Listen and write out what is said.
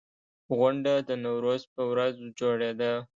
غونډه د نوروز په ورځ جوړېده.